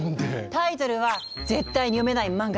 タイトルは「絶対に読めない漫画」。